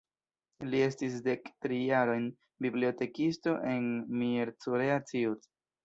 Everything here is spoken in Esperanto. Li estis dektri jarojn bibliotekisto en Miercurea Ciuc.